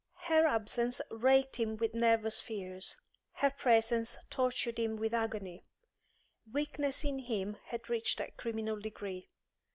He absence racked him with nervous fears; her presence tortured him to agony. Weakness in him had reached a criminal degree.